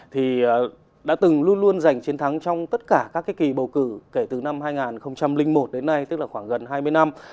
thì đã từng luôn luôn giành chiến thắng trong tất cả các cái kỳ bầu cử kể từ năm hai nghìn một đến nay tức là khoảng gần hai mươi năm